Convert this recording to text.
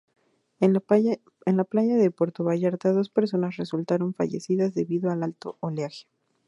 En la playa de Puerto Vallarta, dos personas resultaron fallecidas debido al alto oleaje.